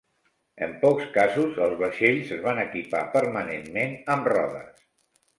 En pocs casos, els vaixells es van equipar permanentment amb rodes.